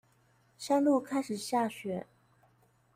山路上開始下雪